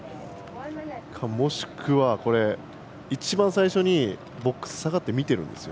もしくは一番最初にボックス、下がって見ているんですよ。